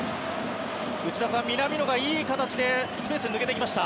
内田さん、南野がいい形でスペースに抜けてきました。